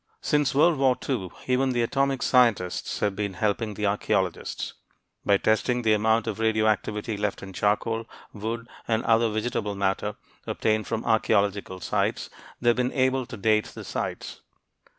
Since World War II even the atomic scientists have been helping the archeologists. By testing the amount of radioactivity left in charcoal, wood, or other vegetable matter obtained from archeological sites, they have been able to date the sites.